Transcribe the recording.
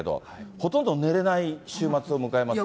ほとんど寝れない週末を迎えますよね。